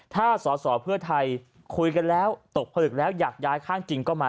ถ้าสอสอเพื่อไทยคุยกันแล้วตกผลึกแล้วอยากย้ายข้างจริงก็มา